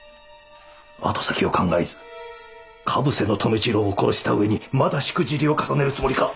後先を考えず鹿伏の留次郎を殺した上にまだしくじりを重ねるつもりか！？